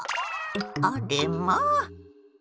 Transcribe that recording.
あれまあ！